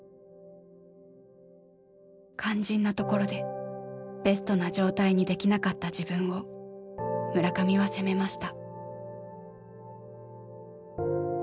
肝心なところでベストな状態にできなかった自分を村上は責めました。